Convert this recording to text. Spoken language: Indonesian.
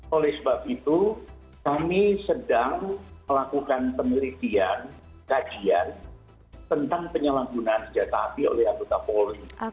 oleh sebab itu kami sedang melakukan penelitian kajian tentang penyalahgunaan senjata api oleh anggota polri